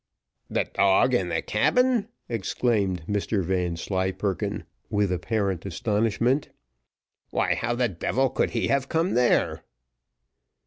"The dog in the cabin!" exclaimed Mr Vanslyperken, with apparent astonishment. "Why, how the devil could he have come there?"